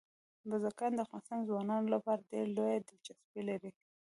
بزګان د افغان ځوانانو لپاره ډېره لویه دلچسپي لري.